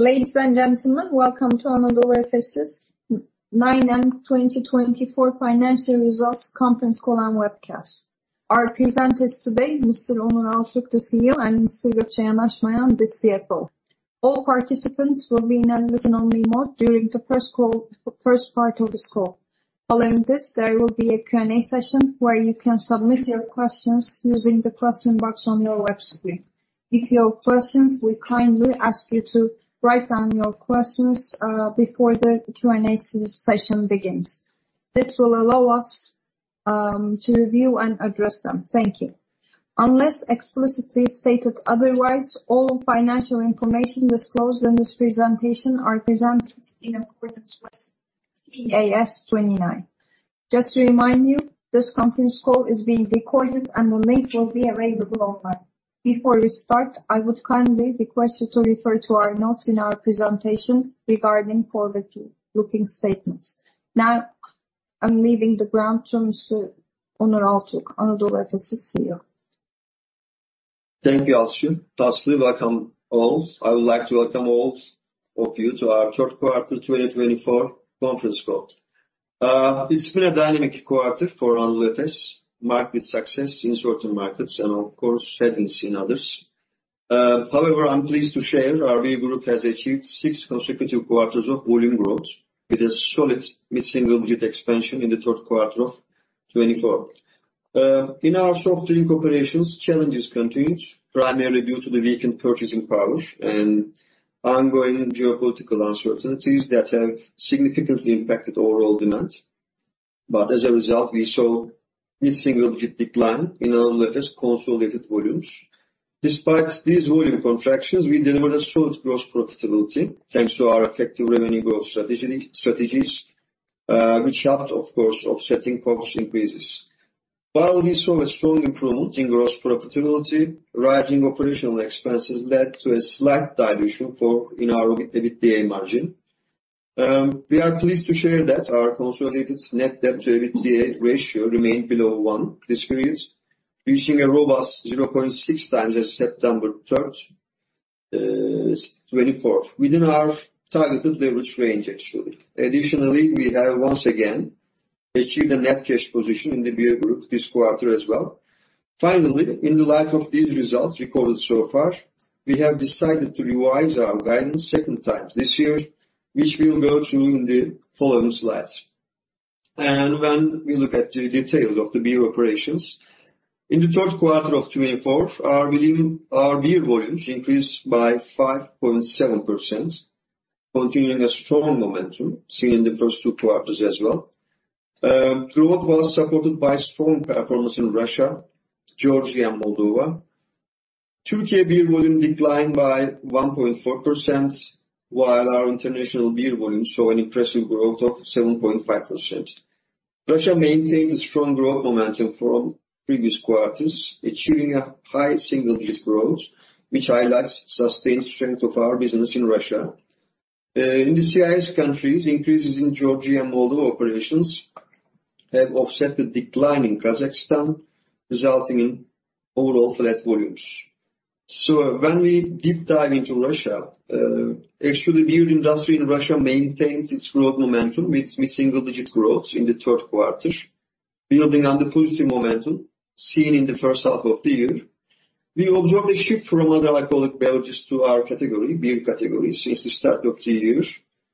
Ladies and gentlemen, welcome to Anadolu Efes' 9M2024 Financial Results Conference Call and Webcast. Our presenters today: Mr. Onur Altürk, the CEO, and Mr. Gökçe Yanaşmayan, the CFO. All participants will be in a listen-only mode during the first part of this call. Following this, there will be a Q&A session where you can submit your questions using the question box on your web screen. If you have questions, we kindly ask you to write down your questions before the Q&A session begins. This will allow us to review and address them. Thank you. Unless explicitly stated otherwise, all financial information disclosed in this presentation are presented in accordance with IAS 29. Just to remind you, this conference call is being recorded, and the link will be available online. Before we start, I would kindly request you to refer to our notes in our presentation regarding forward-looking statements. Now, I'm leaving the ground to Mr. Onur Altürk, Anadolu Efes' CEO. Thank you, Aslı. Also, welcome all. I would like to welcome all of you to our third quarter 2024 conference call. It's been a dynamic quarter for Anadolu Efes, marked with success in certain markets and, of course, headwinds in others. However, I'm pleased to share our big group has achieved six consecutive quarters of volume growth with a solid single-digit expansion in the third quarter of 2024. In our soft drink operations, challenges continued, primarily due to the weakened purchasing power and ongoing geopolitical uncertainties that have significantly impacted overall demand. But as a result, we saw a single-digit decline in Anadolu Efes' consolidated volumes. Despite these volume contractions, we delivered a solid gross profitability thanks to our effective revenue growth strategies, which helped, of course, offsetting cost increases. While we saw a strong improvement in gross profitability, rising operational expenses led to a slight dilution in our EBITDA margin. We are pleased to share that our consolidated net debt to EBITDA ratio remained below one this period, reaching a robust 0.6x as of September 3rd, 2024, within our targeted leverage range, actually. Additionally, we have once again achieved a net cash position in the beer group this quarter as well. Finally, in the light of these results recorded so far, we have decided to revise our guidance second time this year, which we'll go to in the following slides. And when we look at the details of the beer operations, in the third quarter of 2024, our beer volumes increased by 5.7%, continuing a strong momentum seen in the first two quarters as well. Growth was supported by strong performance in Russia, Georgia, and Moldova. Türkiye beer volume declined by 1.4%, while our international beer volume saw an impressive growth of 7.5%. Russia maintained a strong growth momentum from previous quarters, achieving a high single digit growth, which highlights the sustained strength of our business in Russia. In the CIS countries, increases in Georgia and Moldova operations have offset the decline in Kazakhstan, resulting in overall flat volumes, so when we deep dive into Russia, actually, beer industry in Russia maintained its growth momentum with single digit growth in the third quarter, building on the positive momentum seen in the first half of the year. We observed a shift from other alcoholic beverages to our category, beer category, since the start of the year,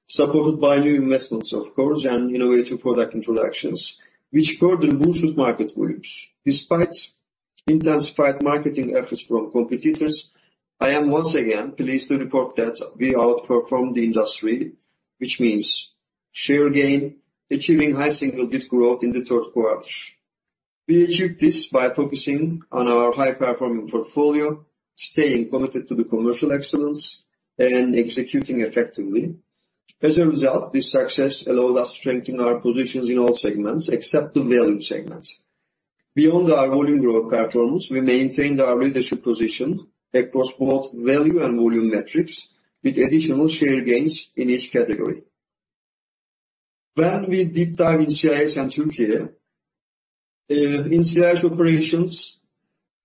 supported by new investments, of course, and innovative product introductions, which further boosted market volumes. Despite intensified marketing efforts from competitors, I am once again pleased to report that we outperformed the industry, which means share gain, achieving high single digit growth in the third quarter. We achieved this by focusing on our high-performing portfolio, staying committed to commercial excellence, and executing effectively. As a result, this success allowed us to strengthen our positions in all segments except the value segment. Beyond our volume growth performance, we maintained our leadership position across both value and volume metrics, with additional share gains in each category. When we deep dive in CIS and Türkiye, in CIS operations,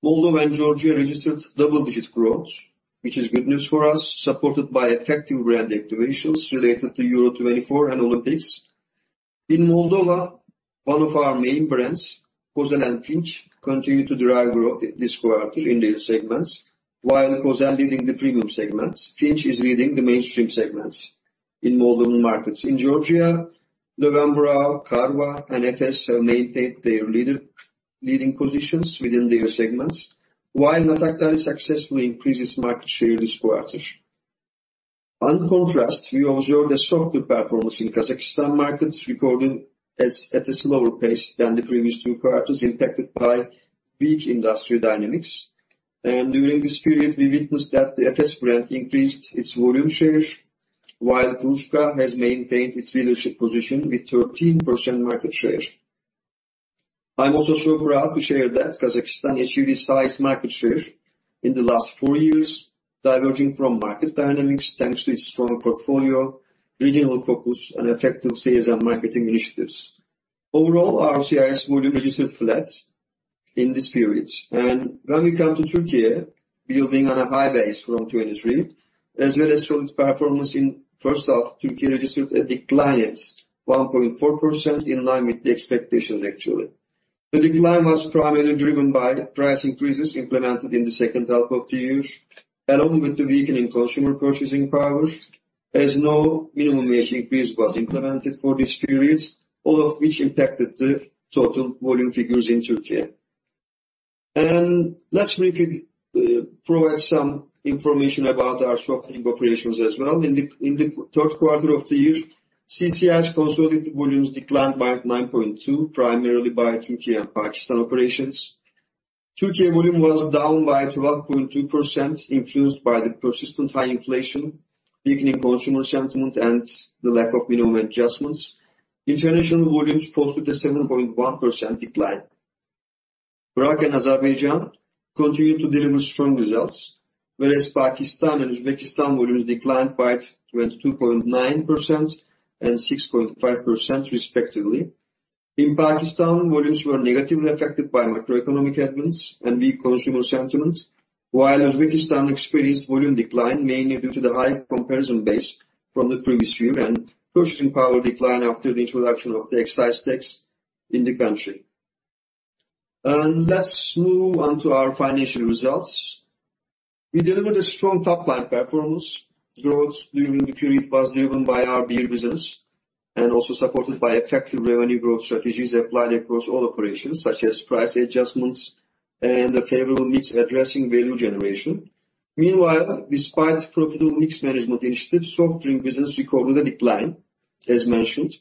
Moldova and Georgia registered double-digit growth, which is good news for us, supported by effective brand activations related to Euro 2024 and Olympics. In Moldova, one of our main brands, Kozel and Chisinau, continue to drive growth this quarter in their segments, while Kozel leading the premium segment, Chisinau is leading the mainstream segments in Moldovan markets. In Georgia, Löwenbräu, Karva, and Efes have maintained their leading positions within their segments, while Natakdari successfully increased its market share this quarter. In contrast, we observed a softer performance in Kazakhstan markets, recorded at a slower pace than the previous two quarters, impacted by weak industry dynamics. During this period, we witnessed that the Efes brand increased its volume share, while Kruzhka Svezhego has maintained its leadership position with 13% market share. I'm also so proud to share that Kazakhstan achieved its highest market share in the last four years, diverging from market dynamics thanks to its strong portfolio, regional focus, and effective sales and marketing initiatives. Overall, our CIS volume registered flat in this period and when we come to Türkiye, building on a high base from 2023, as well as solid performance in first half, Türkiye registered a decline at 1.4% in line with the expectations, actually. The decline was primarily driven by price increases implemented in the second half of the year, along with the weakening consumer purchasing power, as no minimum wage increase was implemented for this period, all of which impacted the total volume figures in Türkiye. And let's briefly provide some information about our soft drink operations as well. In the third quarter of the year, CCI consolidated volumes declined by 9.2%, primarily by Türkiye and Pakistan operations. Türkiye volume was down by 12.2%, influenced by the persistent high inflation, weakening consumer sentiment, and the lack of minimum adjustments. International volumes posted a 7.1% decline. Iraq and Azerbaijan continued to deliver strong results, whereas Pakistan and Uzbekistan volumes declined by 22.9% and 6.5%, respectively. In Pakistan, volumes were negatively affected by macroeconomic headwinds and weak consumer sentiment, while Uzbekistan experienced volume decline mainly due to the high comparison base from the previous year and purchasing power decline after the introduction of the excise tax in the country. And let's move on to our financial results. We delivered a strong top-line performance. Growth during the period was driven by our beer business and also supported by effective revenue growth strategies applied across all operations, such as price adjustments and a favorable mix addressing value generation. Meanwhile, despite profitable mix management initiatives, soft drink business recorded a decline, as mentioned.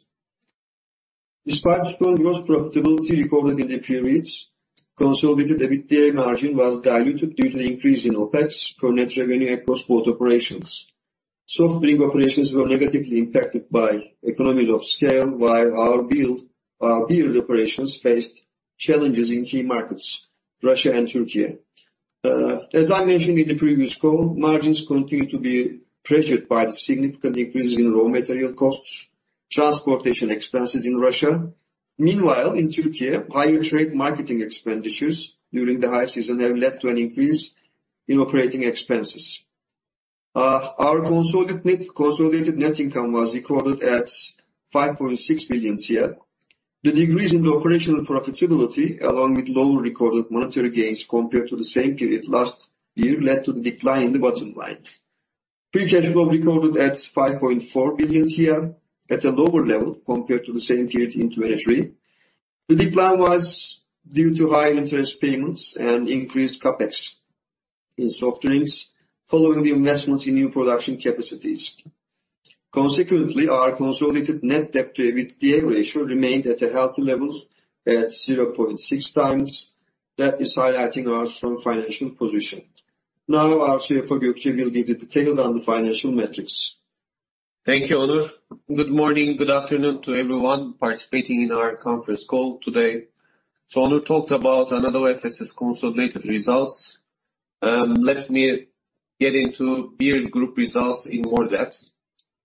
Despite strong gross profitability recorded in the periods, consolidated EBITDA margin was diluted due to the increase in OPEX per net revenue across both operations. Soft drink operations were negatively impacted by economies of scale, while our beer operations faced challenges in key markets, Russia and Türkiye. As I mentioned in the previous call, margins continue to be pressured by the significant increases in raw material costs, transportation expenses in Russia. Meanwhile, in Türkiye, higher trade marketing expenditures during the high season have led to an increase in operating expenses. Our consolidated net income was recorded at 5.6 billion. The decrease in the operational profitability, along with lower recorded monetary gains compared to the same period last year, led to the decline in the bottom line. Free cash flow recorded at 5.4 billion, at a lower level compared to the same period in 2023. The decline was due to higher interest payments and increased CAPEX in soft drinks, following the investments in new production capacities. Consequently, our consolidated net debt to EBITDA ratio remained at a healthy level at 0.6x. That is highlighting our strong financial position. Now, our CFO, Gökçe, will give the details on the financial metrics. Thank you, Onur. Good morning. Good afternoon to everyone participating in our conference call today. So Onur talked about Anadolu Efes' consolidated results. Let me get into beer group results in more depth.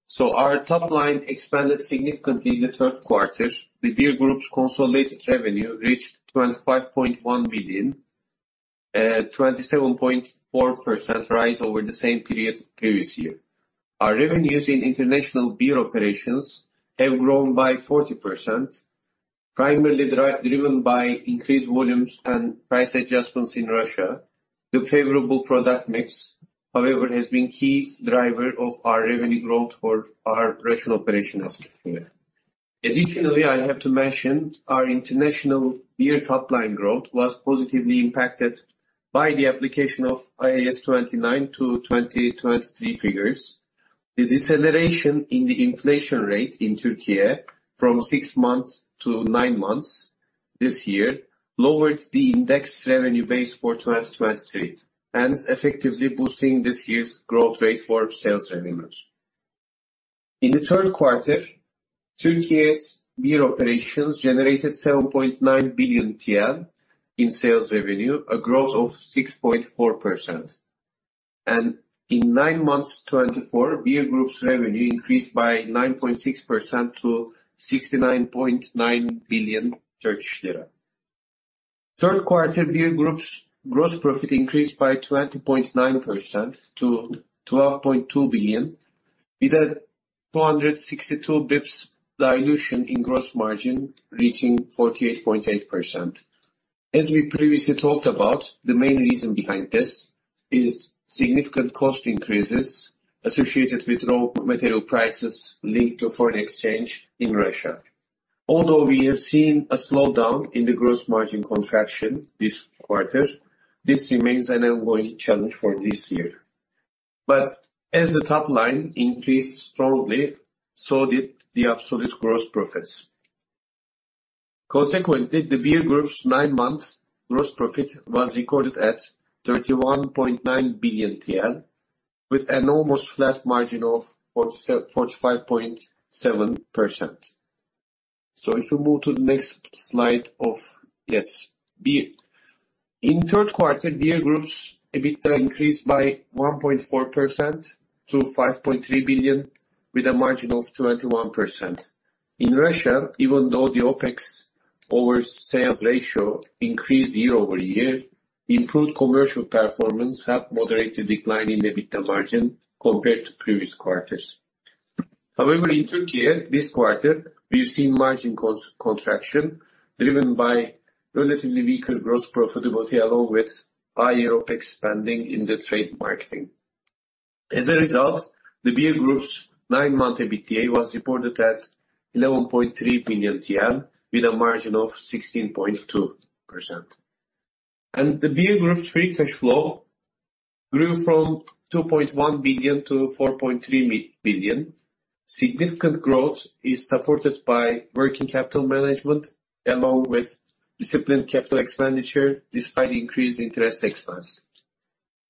So our top line expanded significantly in the third quarter. The beer group's consolidated revenue reached 25.1 billion, a 27.4% rise over the same period previous year. Our revenues in international beer operations have grown by 40%, primarily driven by increased volumes and price adjustments in Russia. The favorable product mix, however, has been a key driver of our revenue growth for our Russian operations. Additionally, I have to mention our international beer top-line growth was positively impacted by the application of IAS 29 to 2023 figures. The deceleration in the inflation rate in Türkiye from six months to nine months this year lowered the indexed revenue base for 2023, hence effectively boosting this year's growth rate for sales revenues. In the third quarter, Türkiye's beer operations generated 7.9 billion in sales revenue, a growth of 6.4%. And in nine months 2024, beer group's revenue increased by 9.6% to 69.9 billion Turkish lira. Third quarter, beer group's gross profit increased by 20.9% to 12.2 billion, with a 262 basis points dilution in gross margin reaching 48.8%. As we previously talked about, the main reason behind this is significant cost increases associated with raw material prices linked to foreign exchange in Russia. Although we have seen a slowdown in the gross margin contraction this quarter, this remains an ongoing challenge for this year. But as the top line increased strongly, so did the absolute gross profits. Consequently, the beer group's nine-month gross profit was recorded at 31.9 billion TL, with an almost flat margin of 45.7%. So if we move to the next slide of, yes, beer. In third quarter, beer group's EBITDA increased by 1.4% to 5.3 billion, with a margin of 21%. In Russia, even though the OPEX over sales ratio increased year-over-year, improved commercial performance helped moderate the decline in EBITDA margin compared to previous quarters. However, in Türkiye, this quarter, we've seen margin contraction driven by relatively weaker gross profitability along with higher OPEX spending in the trade marketing. As a result, the beer group's nine-month EBITDA was reported at 11.3 billion TL, with a margin of 16.2%. And the beer group's free cash flow grew from 2.1 billion to 4.3 billion. Significant growth is supported by working capital management along with disciplined capital expenditure despite increased interest expense.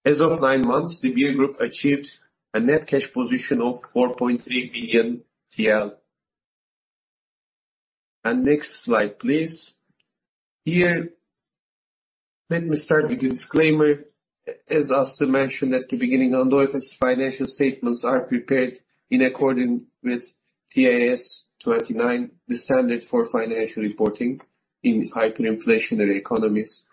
As of nine months, the beer group achieved a net cash position of 4.3 billion TL. Next slide, please. Here, let me start with a disclaimer. As Aslı mentioned at the beginning, Anadolu Efes financial statements are prepared in accordance with TAS 29, the standard for financial reporting in hyperinflationary economies.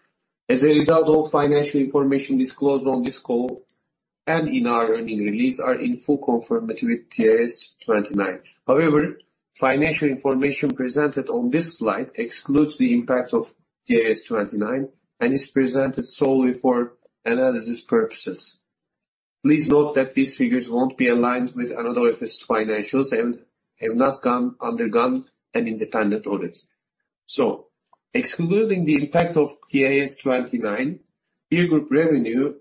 As a result, all financial information disclosed on this call and in our earnings release are in full conformity with TAS 29. However, financial information presented on this slide excludes the impact of TAS 29 and is presented solely for analysis purposes. Please note that these figures won't be aligned with Anadolu Efes financials and have not undergone an independent audit. Excluding the impact of TAS 29, beer group revenue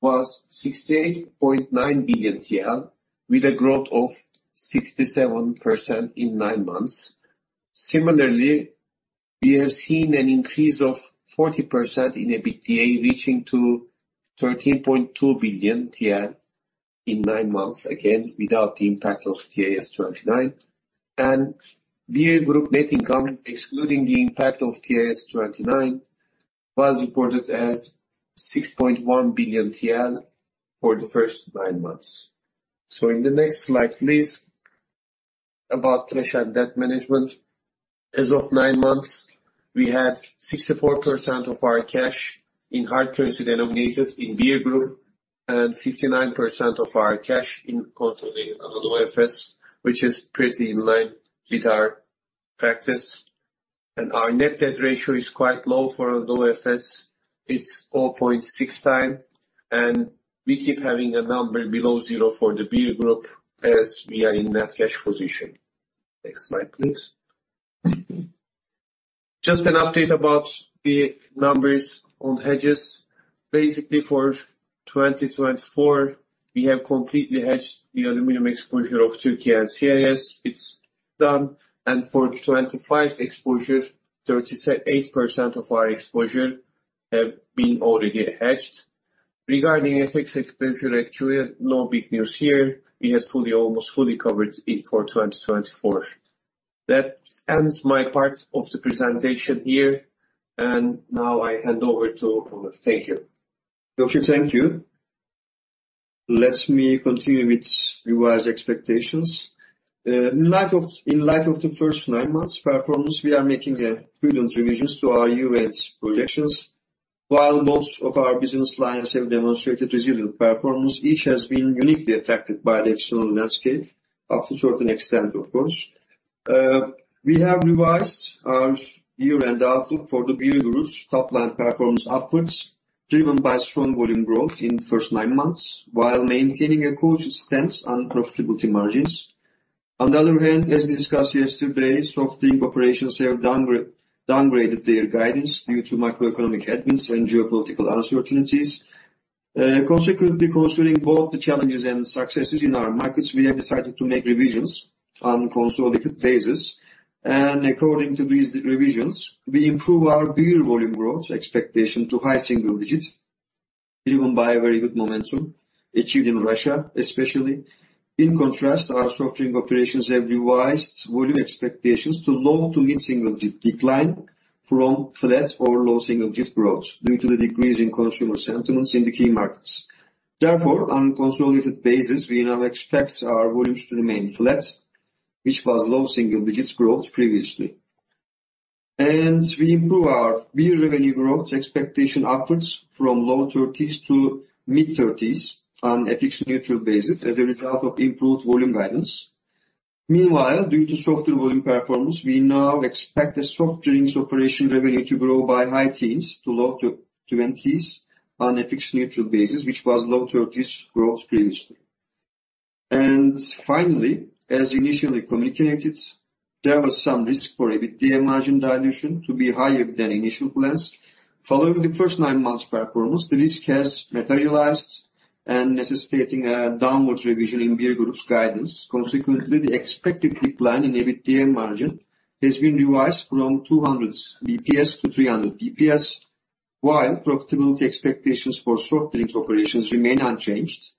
was 68.9 billion TL, with a growth of 67% in nine months. Similarly, we have seen an increase of 40% in EBITDA reaching to 13.2 billion in nine months, again, without the impact of TAS 29, and beer group net income, excluding the impact of TAS 29, was reported as 6.1 billion TL for the first nine months. In the next slide, please, about cash and debt management. As of nine months, we had 64% of our cash in hard currency denominated in beer group and 59% of our cash in consolidated Anadolu Efes, which is pretty in line with our practice. Our net debt ratio is quite low for Anadolu Efes. It's 0.6x, and we keep having a number below zero for the beer group as we are in net cash position. Next slide, please. Just an update about the numbers on hedges. Basically, for 2024, we have completely hedged the aluminum exposure of Türkiye and CIS. It's done. And for 2025 exposure, 38% of our exposure have been already hedged. Regarding FX exposure, actually, no big news here. We have fully, almost fully covered it for 2024. That ends my part of the presentation here. And now I hand over to Onur. Thank you. Gökçe, thank you. Let me continue with revised expectations. In light of the first nine months' performance, we are making prudent revisions to our year-end projections. While most of our business lines have demonstrated resilient performance, each has been uniquely affected by the external landscape, up to a certain extent, of course. We have revised our year-end outlook for the beer group's top-line performance upwards, driven by strong volume growth in the first nine months, while maintaining a consistent profitability margins. On the other hand, as discussed yesterday, soft drink operations have downgraded their guidance due to macroeconomic headwinds and geopolitical uncertainties. Consequently, considering both the challenges and successes in our markets, we have decided to make revisions on a consolidated basis. And according to these revisions, we improve our beer volume growth expectation to high single digit, driven by a very good momentum achieved in Russia, especially. In contrast, our soft drink operations have revised volume expectations to low to mid-single digit decline from flat or low single digit growth due to the decrease in consumer sentiments in the key markets. Therefore, on a consolidated basis, we now expect our volumes to remain flat, which was low single digit growth previously. And we improve our beer revenue growth expectation upwards from low 30s to mid 30s on FX neutral basis as a result of improved volume guidance. Meanwhile, due to softer volume performance, we now expect the soft drinks operation revenue to grow by high teens to low 20s on FX neutral basis, which was low 30s growth previously. And finally, as initially communicated, there was some risk for EBITDA margin dilution to be higher than initial plans. Following the first nine months' performance, the risk has materialized and necessitating a downward revision in beer group's guidance. Consequently, the expected decline in EBITDA margin has been revised from 200 basis points to 300 basis points, while profitability expectations for soft drinks operations remain unchanged.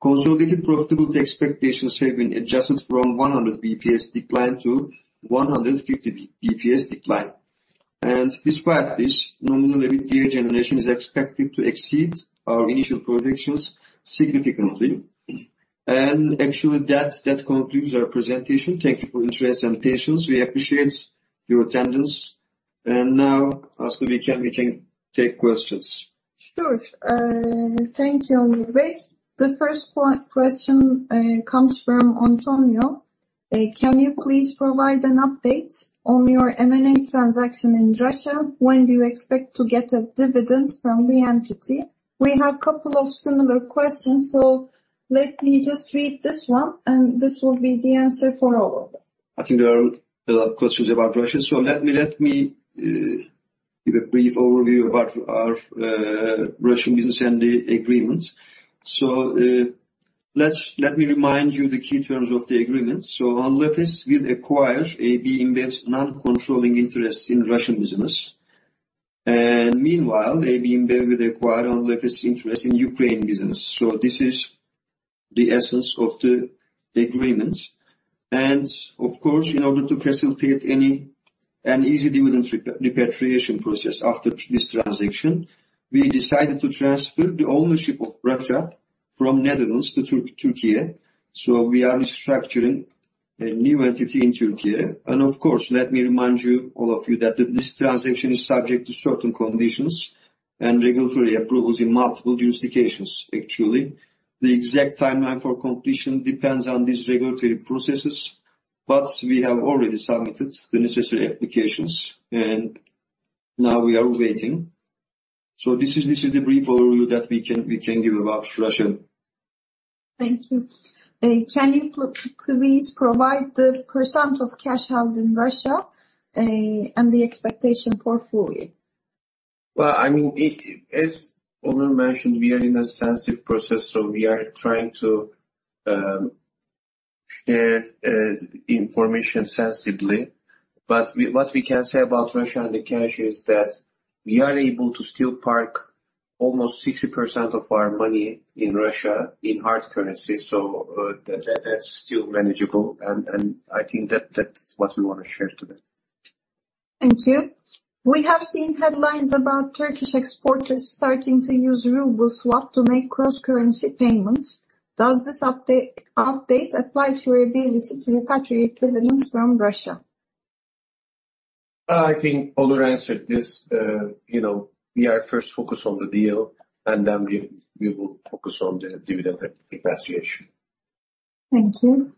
Consolidated profitability expectations have been adjusted from 100 basis points decline to 150 basis points decline. And despite this, nominal EBITDA generation is expected to exceed our initial projections significantly. And actually, that concludes our presentation. Thank you for your interest and patience. We appreciate your attendance. And now, Aslı, we can take questions. Sure. Thank you, Onur. The first question comes from Antonio. Can you please provide an update on your M&A transaction in Russia? When do you expect to get a dividend from the entity? We have a couple of similar questions, so let me just read this one, and this will be the answer for all of them. I think there are a lot of questions about Russia. So let me give a brief overview about our Russian business and the agreements. So let me remind you the key terms of the agreement. So Anadolu Efes will acquire AB InBev's non-controlling interests in Russian business. And meanwhile, AB InBev will acquire Anadolu Efes's interests in Ukraine business. So this is the essence of the agreement. And of course, in order to facilitate an easy dividend repatriation process after this transaction, we decided to transfer the ownership of Russia from Netherlands to Türkiye. So we are restructuring a new entity in Türkiye. And of course, let me remind all of you that this transaction is subject to certain conditions and regulatory approvals in multiple jurisdictions, actually. The exact timeline for completion depends on these regulatory processes, but we have already submitted the necessary applications, and now we are waiting. So this is the brief overview that we can give about Russia. Thank you. Can you please provide the percent of cash held in Russia and the expectation for full year? I mean, as Onur mentioned, we are in a sensitive process, so we are trying to share information sensibly. But what we can say about Russia and the cash is that we are able to still park almost 60% of our money in Russia in hard currency, so that's still manageable. I think that's what we want to share today. Thank you. We have seen headlines about Turkish exporters starting to use ruble swap to make cross-currency payments. Does this update apply to your ability to repatriate dividends from Russia? I think Onur answered this. We are first focused on the deal, and then we will focus on the dividend repatriation. Thank you.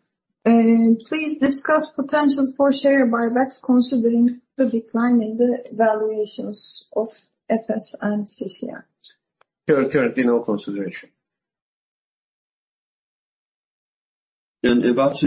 Please discuss potential for share buybacks considering the decline in the valuations of Efes and CCI. Currently, no consideration Let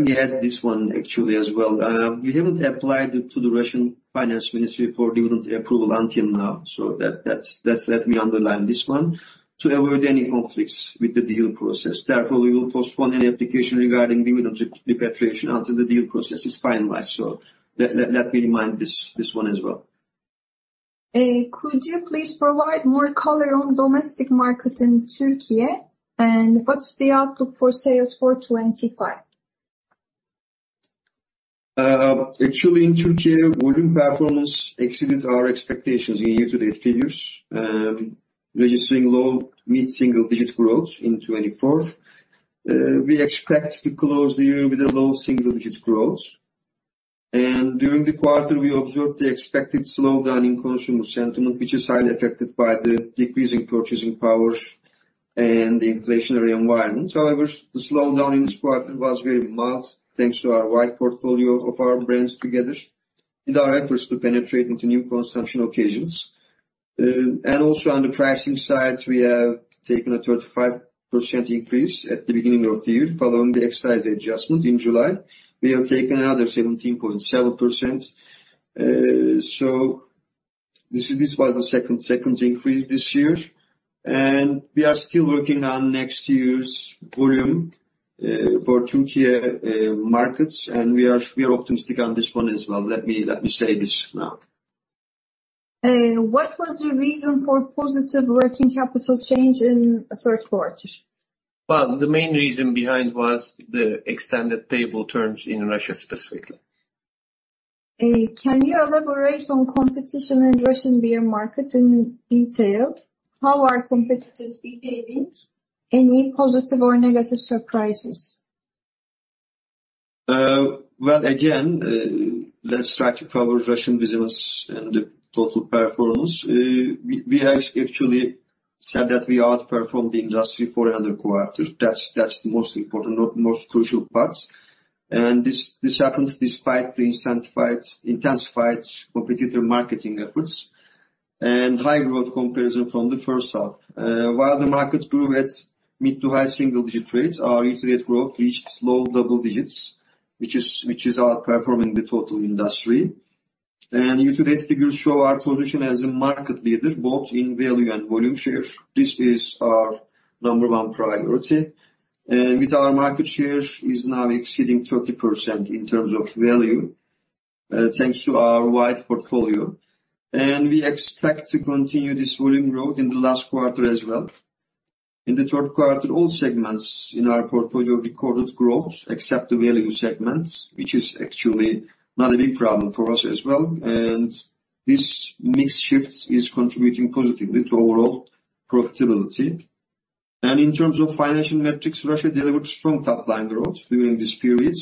me add this one, actually, as well. We haven't applied to the Russian Finance Ministry for dividend approval until now, so let me underline this one to avoid any conflicts with the deal process. Therefore, we will postpone any application regarding dividend repatriation until the deal process is finalized, so let me remind this one as well. Could you please provide more color on domestic market in Türkiye, and what's the outlook for sales for 2025? Actually, in Türkiye, volume performance exceeded our expectations in year-to-date figures, registering low mid-single digit growth in 2024. We expect to close the year with a low single digit growth, and during the quarter, we observed the expected slowdown in consumer sentiment, which is highly affected by the decreasing purchasing power and the inflationary environment. However, the slowdown in this quarter was very mild, thanks to our wide portfolio of our brands together in our efforts to penetrate into new consumption occasions. And also on the pricing side, we have taken a 35% increase at the beginning of the year following the excise adjustment in July. We have taken another 17.7%. So this was the second increase this year, and we are still working on next year's volume for Türkiye markets, and we are optimistic on this one as well. Let me say this now. What was the reason for positive working capital change in the third quarter? The main reason behind was the extended payable terms in Russia specifically. Can you elaborate on competition in the Russian beer market in detail? How are competitors behaving? Any positive or negative surprises? Well, again, let's try to cover Russian business and the total performance. We have actually said that we outperformed the industry for another quarter. That's the most important, most crucial part. And this happened despite the intensified competitor marketing efforts and high growth comparison from the first half. While the market grew at mid- to high-single-digit rates, our year-to-date growth reached low double digits, which is outperforming the total industry. And year-to-date figures show our position as a market leader both in value and volume share. This is our number one priority. And with our market share now exceeding 30% in terms of value, thanks to our wide portfolio. And we expect to continue this volume growth in the last quarter as well. In the third quarter, all segments in our portfolio recorded growth, except the value segment, which is actually not a big problem for us as well. This mixed shift is contributing positively to overall profitability. In terms of financial metrics, Russia delivered strong top-line growth during this period.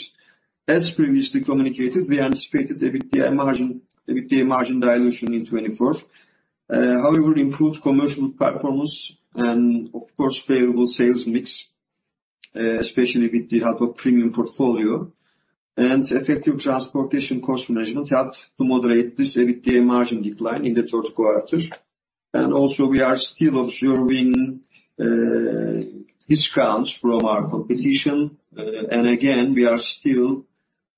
As previously communicated, we anticipated EBITDA margin dilution in 2024. However, improved commercial performance and, of course, favorable sales mix, especially with the help of premium portfolio and effective transportation cost management, helped to moderate this EBITDA margin decline in the third quarter. We are still observing discounts from our competition. Again, we are still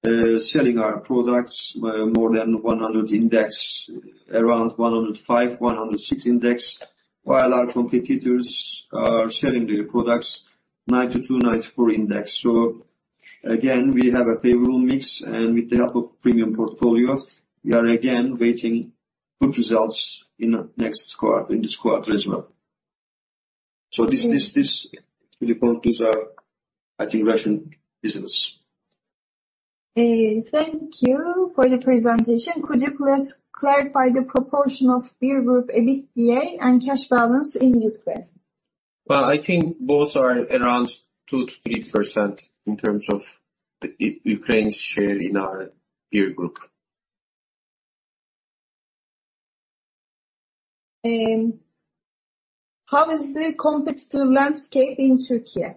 selling our products more than 100 index, around 105, 106 index, while our competitors are selling their products 92, 94 index. So again, we have a favorable mix, and with the help of premium portfolio, we are again waiting for good results in this quarter as well. So these are the points regarding, I think, Russian business. Thank you for the presentation. Could you please clarify the proportion of beer group EBITDA and cash balance in Ukraine? I think both are around 2%-3% in terms of Ukraine's share in our beer group. How is the competitor landscape in Türkiye?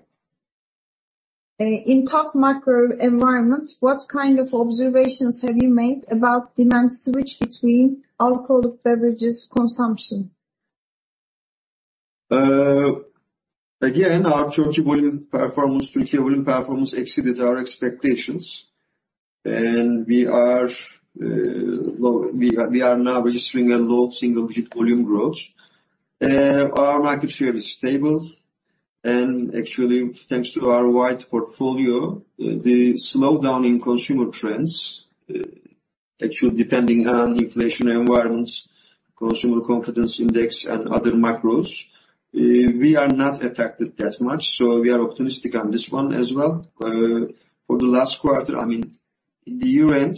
In tough macro environments, what kind of observations have you made about demand switch between alcoholic beverages consumption? Again, our Türkiye volume performance exceeded our expectations, and we are now registering a low single digit volume growth. Our market share is stable, and actually, thanks to our wide portfolio, the slowdown in consumer trends, actually depending on inflationary environments, consumer confidence index, and other macros, we are not affected that much, so we are optimistic on this one as well. For the last quarter, I mean, in the year-end,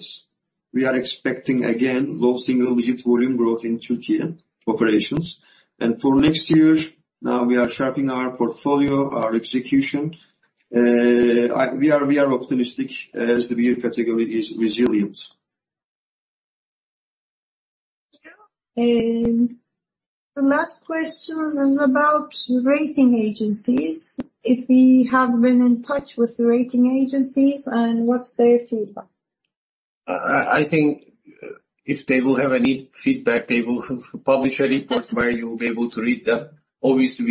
we are expecting again low single digit volume growth in Türkiye operations, and for next year, now we are sharpening our portfolio, our execution. We are optimistic as the beer category is resilient. The last question is about rating agencies. If we have been in touch with the rating agencies, what's their feedback? I think if they will have any feedback, they will publish a report where you'll be able to read them. Obviously,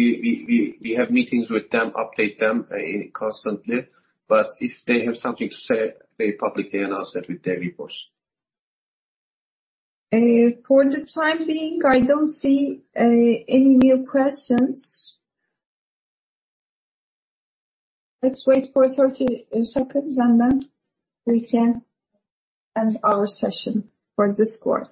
we have meetings with them, update them constantly. But if they have something to say, they publicly announce that with their reports. For the time being, I don't see any new questions. Let's wait for 30 seconds, and then we can end our session for this quarter.